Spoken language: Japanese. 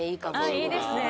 いいですね。